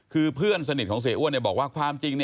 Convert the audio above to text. คือเพื่อนสนิทของเสียอ้วนบอกว่าความจริง